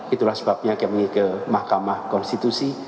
itulah sebabnya kami ke mahkamah konstitusi